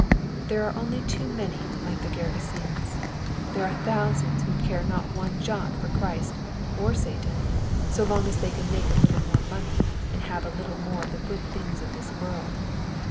There are only too many like these Gergesenes. There are thousands who care not one jot for Christ, or Satan, so long as they can make a little more money, and have a little more of the good things of this world.